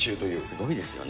すごいですよね。